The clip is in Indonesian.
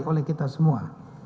oleh kita semua